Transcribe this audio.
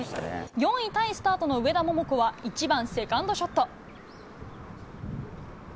４位タイスタートの上田桃子は、１番セカンドショット。